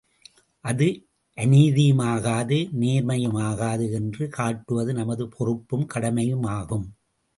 அது நீதியுமாகாது நேர்மையு மாகாது என்று காட்டுவது நமது பொறுப்பும் கடமையுமாகும்.